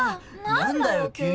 何だよ急に。